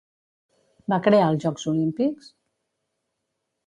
Va crear els Jocs Olímpics?